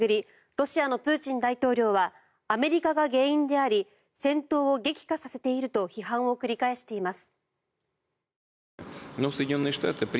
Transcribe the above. ロシアのプーチン大統領はアメリカが原因であり戦闘を激化させていると批判を繰り返しています。